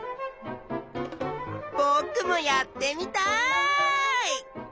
ぼくもやってみたい！